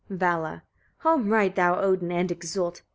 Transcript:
Vala. 20. "Home ride thou, Odin! and exult.